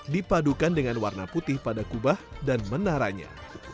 dipadukan dengan warna putih pada kubah dan menaranya